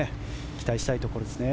期待したいところですね。